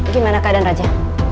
gimana keadaan raja